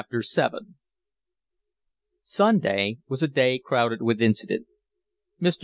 VII Sunday was a day crowded with incident. Mr.